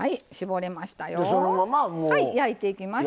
焼いていきます。